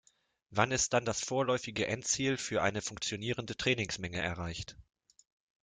Wann ist dann das vorläufige Endziel für eine funktionierende Trainingsmenge erreicht?